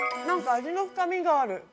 なんか味の深みがある。